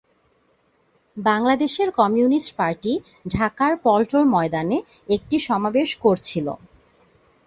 বাংলাদেশের communist party ঢাকার পল্টন ময়দানে একটি সমাবেশ করছিল।